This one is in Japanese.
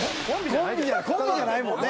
コンビじゃないもんね。